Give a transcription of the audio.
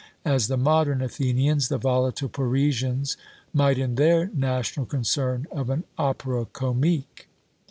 as the modern Athenians, the volatile Parisians, might in their national concern of an OPERA COMIQUE.